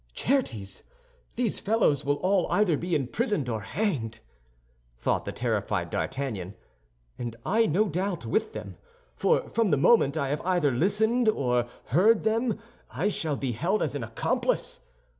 "Certes, these fellows will all either be imprisoned or hanged," thought the terrified D'Artagnan, "and I, no doubt, with them; for from the moment I have either listened to or heard them, I shall be held as an accomplice.